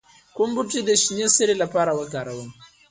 کوم بوټي د شینې سرې لپاره وکاروم؟